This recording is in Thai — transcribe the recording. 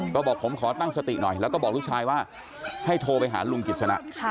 ก็บอกผมขอตั้งสติหน่อยแล้วก็บอกลูกชายว่าให้โทรไปหาลุงกิจสนะ